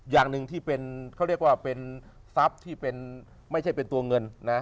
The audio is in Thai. อย่างหนึ่งที่เป็นเขาเรียกว่าเป็นทรัพย์ที่เป็นไม่ใช่เป็นตัวเงินนะ